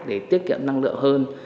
để tiết kiệm năng lượng hơn